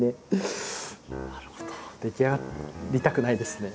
でき上がりたくないですね。